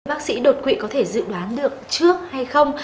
bác sĩ đột quỵ có thể dự đoán được trước hay không